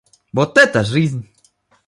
Вот это жизнь!